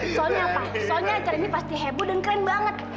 soalnya apa soalnya acara ini pasti heboh dan keren banget